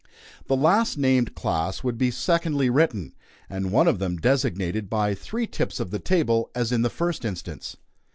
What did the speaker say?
The last named class would be secondly written, and one of them designated by three tips of the table, as in the first instance.